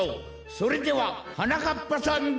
それでははなかっぱさんどうぞ！